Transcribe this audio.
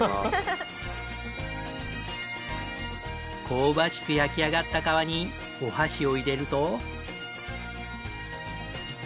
香ばしく焼き上がった皮にお箸を入れると。